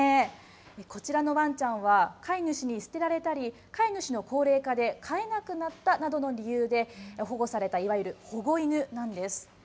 こちらのワンちゃんは、飼い主に捨てられたり、飼い主の高齢化で飼えなくなったなどの理由で、保護された、いわゆる保護犬なんです。